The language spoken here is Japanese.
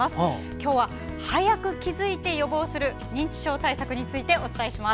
今日は早く気付いて予防する認知症対策についてお伝えします。